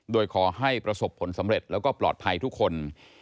โดยขอให้ประสบผลสำเร็จแล้วก็ปลอดภัยทุกคน